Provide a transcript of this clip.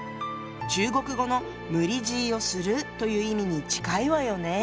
中国語の「無理強いをする」という意味に近いわよね。